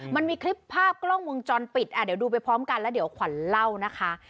มันมีคลิปภาพกล้องวงจรปิดอ่ะเดี๋ยวดูไปพร้อมกันแล้วเดี๋ยวขวัญเล่านะคะ